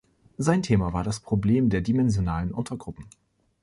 Sein Thema war das Problem der dimensionalen Untergruppen.